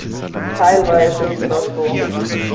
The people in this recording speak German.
Teilweise ist das so.